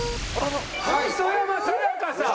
磯山さやかさん。